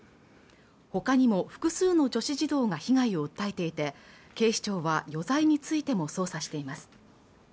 ほかにも複数の女子児童が被害を訴えていて警視庁は余罪についても捜査しています